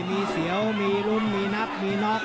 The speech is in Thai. มีเสียวมีลุ้นมีนับมีน็อก